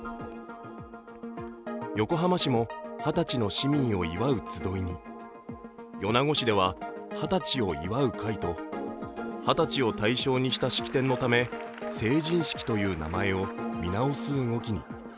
横浜市も「二十歳の市民を祝うつどい」に、米子市では「二十歳を祝う会」と二十歳を対象にした式典のため「成人式」という名前を見直す動きに。